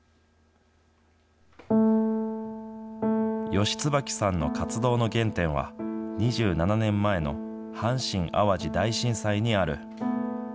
吉椿さんの活動の原点は、２７年前の阪神・淡路大震災にある。